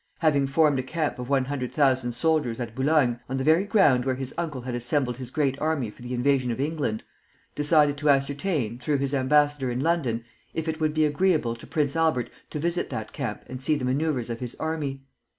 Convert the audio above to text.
having formed a camp of one hundred thousand soldiers at Boulogne, on the very ground where his uncle had assembled his great army for the invasion of England, decided to ascertain, through his ambassador in London, if it would be agreeable to Prince Albert to visit that camp and see the manoeuvres of his army.